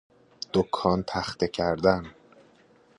دکان تخته کردن